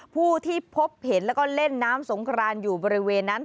ผู้ที่พบเห็นแล้วก็เล่นน้ำสงครานอยู่บริเวณนั้น